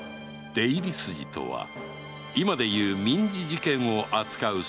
「出入り筋」とは今でいう民事事件を扱う裁判である